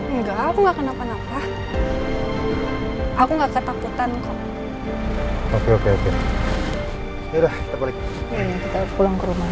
enggak aku nggak kenapa napa aku nggak ketakutan kok oke oke oke udah kita pulang ke rumah